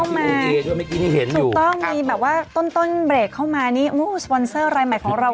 เมื่อกี้เข้ามาตอนต้นเบรคเข้ามานี่อู้วสปอนเซอร์รายใหม่ของเรา